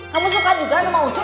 kamu suka juga sama ucu